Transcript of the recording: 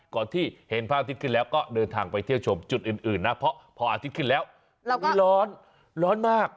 ก่อนที่เห็นพระอาทิตย์ขึ้นแล้วก็เดินทางไปเที่ยวชมจุดอื่นนะเพราะพออาทิตย์ขึ้นแล้วเราก็ร้อนร้อนมาก